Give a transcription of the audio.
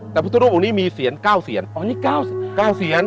แต่พุทธรูปอันนี้มีเซียน๙เซียนอยู่ในเก้าเซียน